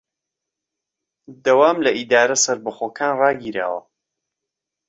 دەوام لە ئیدارە سەربەخۆکان ڕاگیراوە